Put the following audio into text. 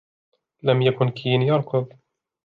لم يكن كين يركض.